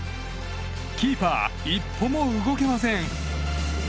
キーパー、一歩も動けません。